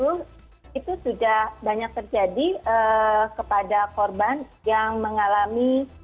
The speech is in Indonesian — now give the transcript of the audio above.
itu sudah banyak terjadi kepada korban yang mengalami